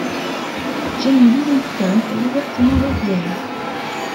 Jennie Livingston est ouvertement lesbienne.